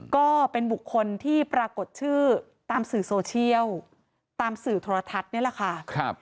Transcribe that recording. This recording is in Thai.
ก็เป็นบุคคลที่ปรากฏชื่อตามสื่อโซเชียลตามสื่อโทรทัศน์นี่แหละค่ะ